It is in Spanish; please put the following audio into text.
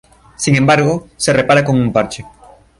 Sin embargo, se repara con un parche.